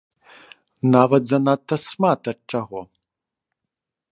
Нават занадта шмат ад чаго.